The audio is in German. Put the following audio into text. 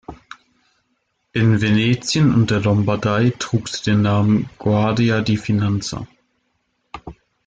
In Venetien und der Lombardei trug sie den Namen Guardia di Finanza.